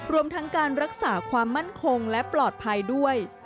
รวมทั้งการรักษาความมั่นคงและปลอดภัยด้วย